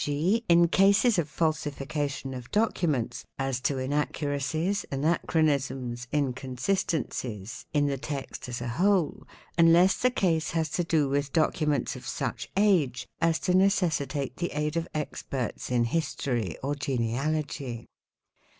g., in cases of falsification of documents, — as to inaccuracies, anachronisms, inconsistencies, in the text as a whole, unless the case has to do with documents of such age as to necessitate the aid of experts in history or genealogy.